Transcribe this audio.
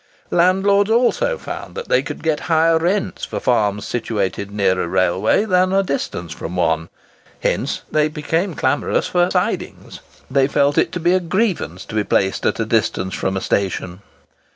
Landlords also found that they could get higher rents for farms situated near a railway than at a distance from one. Hence they became clamorous for "sidings." They felt it to be a grievance to be placed at a distance from a station.